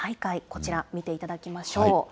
こちら見ていただきましょう。